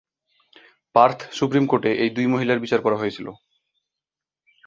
Partha supreme কোর্টে এই দুই মহিলার বিচার করা হয়েছিল।